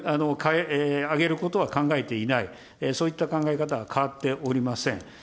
上げることは考えていない、そういった考え方は変わっておりません。